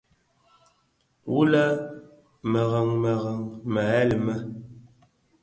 Wu lè yè murèn muren meghel me.